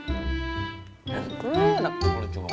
siva punya cantik baru loh